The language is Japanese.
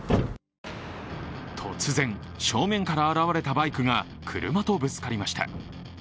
突然、正面から現れたバイクが車とぶつかりました。